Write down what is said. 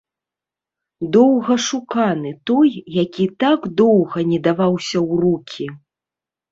Доўгашуканы, той, які так доўга не даваўся ў рукі.